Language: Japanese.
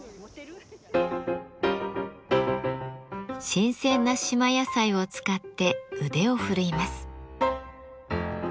新鮮な島野菜を使って腕を振るいます。